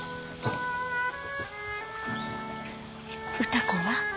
歌子は？